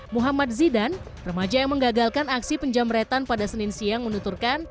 muhammad zidan remaja yang mengagalkan aksi penjamretan pada senin siang menuturkan